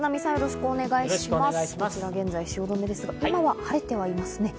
こちら現在の汐留ですが、今は晴れていますね。